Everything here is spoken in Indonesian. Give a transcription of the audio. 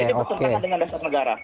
ini bertentangan dengan dasar negara